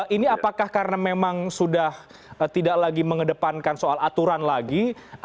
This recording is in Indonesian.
ini apakah karena memang sudah tidak lagi mengedepankan soal aturan lagi